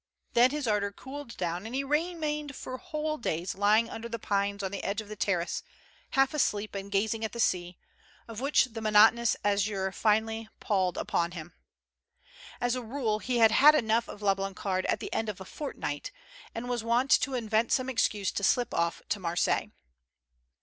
Then his ardor cooled down, and he remained for whole days lying under the pines on the edge of the terrace, half asleep and gazing at the sea, of which the monotonous azure FREDERIC AND NAIS. 123 finally palled upon him. As a rule, he had had enough of La Blancarde at the end of a fortnight, and was wont to invent some excuse to slip off* to Marseilles.